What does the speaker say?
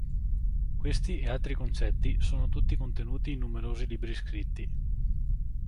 Questi e altri concetti sono tutti contenuti in numerosi libri scritti.